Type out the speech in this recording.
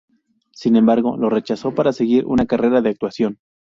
Sin embargo, lo rechazó para seguir una carrera de actuación.